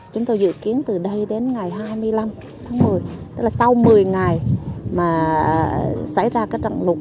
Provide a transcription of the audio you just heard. chúng tôi dự kiến từ đây đến ngày hai mươi năm tháng một mươi tức là sau một mươi ngày mà xảy ra cái trận lục